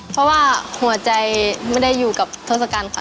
เพราะว่าหัวใจไม่ได้อยู่กับท็อศักดิ์กันค่ะ